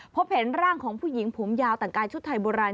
พบเห็นร่างของผู้หญิงผมยาวแต่งกายชุดไทยโบราณ